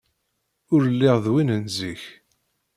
Ur lliɣ d win n zik.